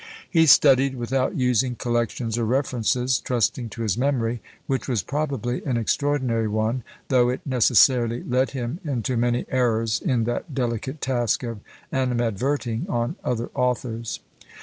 He studied without using collections or references, trusting to his memory, which was probably an extraordinary one, though it necessarily led him into many errors in that delicate task of animadverting on other authors.